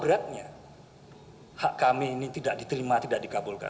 beratnya hak kami ini tidak diterima tidak dikabulkan